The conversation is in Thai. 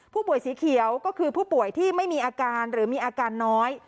สีเขียวก็คือผู้ป่วยที่ไม่มีอาการหรือมีอาการน้อย